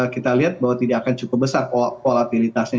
kita lihat bahwa tidak akan cukup besar volatilitasnya